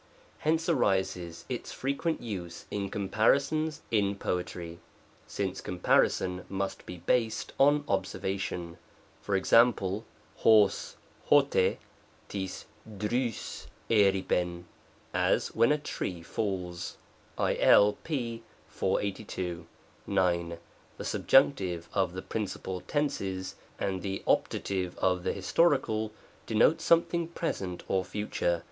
Hence arises its frequent use in comparisons in poetry, since compari son must be based on observation. Ex.^ cjg ort rig dgDg riQintVy "as when a tree falls." II. ;r, 482. 9. The Subjunctive of the Principal Tenses, and the Opt. of the Historical, denote something present or future.